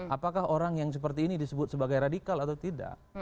apakah orang yang seperti ini disebut sebagai radikal atau tidak